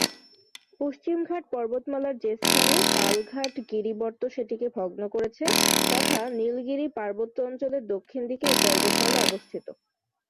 পশ্চিমঘাট পর্বতমালার যে স্থানে পালঘাট গিরিবর্ত্ম সেটিকে ভগ্ন করেছে, তথা নীলগিরি পার্বত্য অঞ্চলের দক্ষিণ দিকে এই পর্বতমালা অবস্থিত।